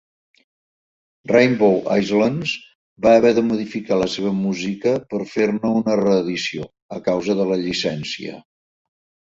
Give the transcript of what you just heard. "Rainbow Islands" va haver de modificar la seva música per fer-ne una reedició, a causa de la llicència.